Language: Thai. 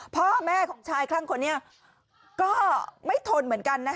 พ่อแม่ของชายคลั่งคนนี้ก็ไม่ทนเหมือนกันนะคะ